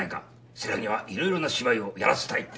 瀬那にはいろいろな芝居をやらせたいって。